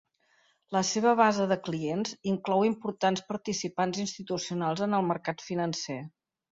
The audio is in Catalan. La seva base de clients inclou importants participants institucionals en el mercat financer.